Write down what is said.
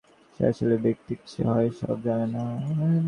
সে আসলে বিন্তি কিসে হয় সব জানে না।